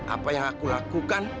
apa yang aku lakukan